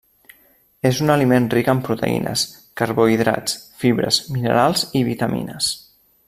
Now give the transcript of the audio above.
És un aliment ric en proteïnes, carbohidrats, fibres, minerals i vitamines.